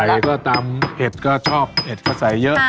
ใส่ก็ตำเผ็ดก็ชอบเผ็ดก็ใส่เยอะ